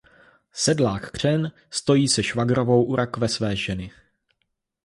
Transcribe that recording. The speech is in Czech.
Sedlák Křen stojí se švagrovou u rakve své ženy.